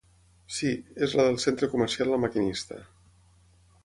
Si, es la del Centre Comercial La Maquinista.